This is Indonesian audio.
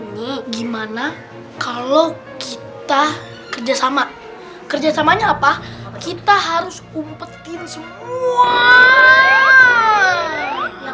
enggak gimana kalau kita kerjasama kerjasamanya apa kita harus umpetin semua